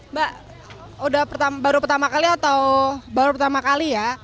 mbak baru pertama kali atau baru pertama kali ya